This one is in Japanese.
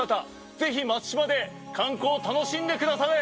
ぜひ松島で観光を楽しんでくだされ。